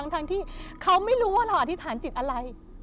ที่เขาไม่รู้ว่าเราอธิษฐานจิตอะไร